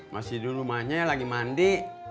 masih dulu manya lagi mandi